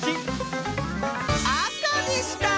あかでした！